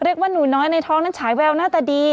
เรียกว่าหนูน้อยในท้องนั้นฉายแววหน้าตาดี